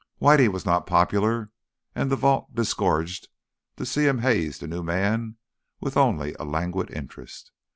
Whitey was not popular, and the vault disgorged to see him haze the new man with only a languid interest.